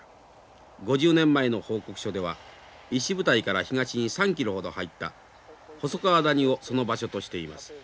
５０年前の報告書では石舞台から東に３キロほど入った細川谷をその場所としています。